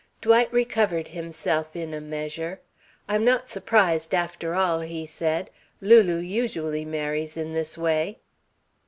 Dwight recovered himself in a measure. "I'm not surprised, after all," he said. "Lulu usually marries in this way."